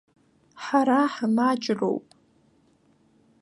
Ҳара ҳмаҷроуп.